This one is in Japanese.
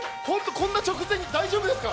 こんな直前に大丈夫ですか？